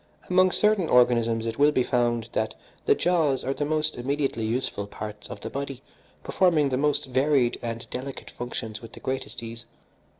Among certain organisms it will be found that the jaws are the most immediately useful parts of the body, performing the most varied and delicate functions with the greatest ease.